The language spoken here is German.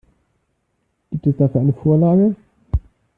Gibt es dafür eine Vorlage?